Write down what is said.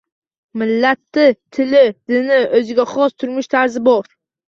Millati, tili, dini, oʻziga xos turmush tarzi bor